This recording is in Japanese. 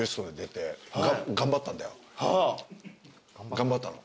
頑張ったの。